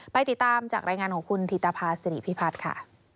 ไปติดตามจากรายงานของคุณธิตภาษิริพิพัฒน์ค่ะ